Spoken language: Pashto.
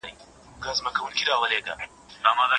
زړه قوي ساته چي هره وېره درنه ليري سي او جرأت پيدا کړې .